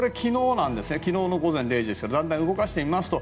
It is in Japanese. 昨日の午前０時ですけどだんだん動かしてみますと